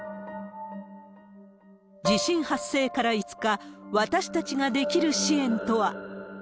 地震発生から５日、私たちができる支援とは。